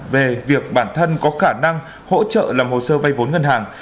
về việc bản thân có khả năng hỗ trợ làm hồ sơ vay vốn ngân hàng